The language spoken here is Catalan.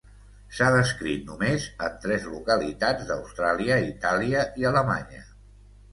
S’ha descrit només en tres localitats d’Austràlia, Itàlia i Alemanya.